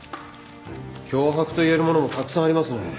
脅迫と言えるものもたくさんありますね。